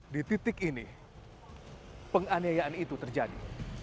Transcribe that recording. di titik ini penganiayaan itu terjadi